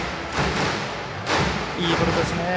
いいボールですね。